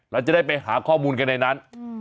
เราจะได้ไปหาข้อมูลกันในนั้น